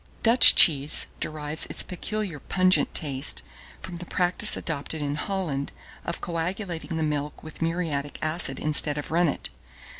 Dutch cheese derives its peculiar pungent taste from the practice adopted in Holland of coagulating the milk with muriatic acid instead of rennet.